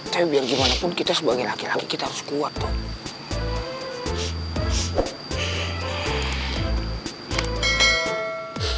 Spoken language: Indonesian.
tapi biar gimana pun kita sebagai laki laki kita harus kuat dong